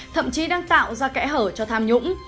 thậm chí đang tạo ra kẽ hở cho tham nhũng